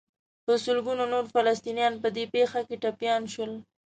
په سلګونو نور فلسطینیان په دې پېښه کې ټپیان شول.